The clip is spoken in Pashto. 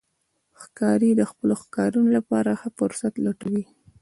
ښکاري د خپلو ښکارونو لپاره ښه فرصت لټوي.